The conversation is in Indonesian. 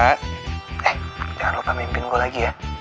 eh jangan lupa mimpin gue lagi ya